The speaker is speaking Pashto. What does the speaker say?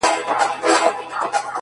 • لکه څپو بې لاري کړې بېړۍ ,